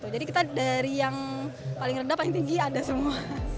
jadi kita dari yang paling rendah paling tinggi ada semua